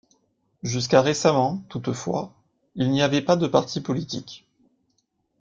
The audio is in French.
Jusqu'à récemment, toutefois, il n'y avait pas de partis politiques.